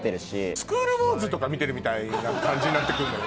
『スクール・ウォーズ』とか見てるみたいな感じになって来るのよ。